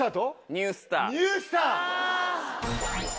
ニュースター。